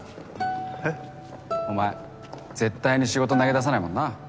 えっ？お前絶対に仕事投げ出さないもんな。